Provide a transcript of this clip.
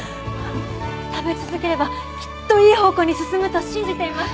食べ続ければきっといい方向に進むと信じています。